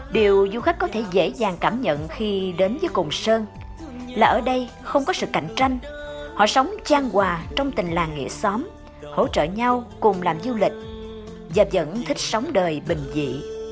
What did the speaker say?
điều du khách có thể dễ dàng cảm nhận khi đến với cùng sơn là ở đây không có sự cạnh tranh họ sống trang hoà trong tình làng nghỉ xóm hỗ trợ nhau cùng làm du lịch dạp dẫn thích sống đời bình dị